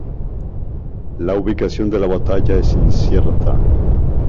La ubicación de la batalla es incierta.